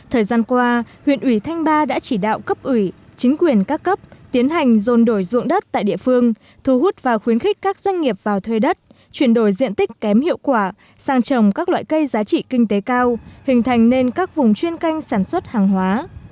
thời gian qua huyện ủy thanh ba đã chỉ đạo cấp ủy chính quyền các cấp tiến hành dồn đổi ruộng đất tại địa phương thu hút và khuyến khích các doanh nghiệp vào thuê đất chuyển đổi diện tích kém hiệu quả sang trồng các loại cây giá trị kinh tế cao hình thành nên các vùng chuyên canh sản xuất hàng hóa